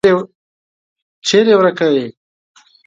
چیري ورکه یې ؟